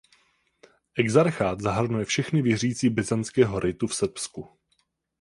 Exarchát zahrnuje všechny věřící byzantského ritu v Srbsku.